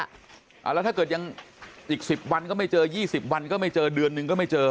แล้วถ้าเกิดยังอีก๑๐วันก็ไม่เจอ๒๐วันก็ไม่เจอเดือนหนึ่งก็ไม่เจอ